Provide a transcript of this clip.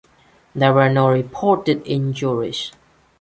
There were no reported injuries.